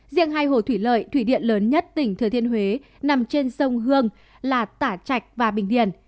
riêng hai hồ thủy lợi thủy điện lớn nhất tỉnh thừa thiên huế nằm trên sông hương là tả trạch và bình điền